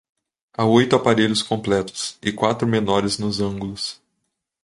Há oito aparelhos completos e quatro menores nos ângulos.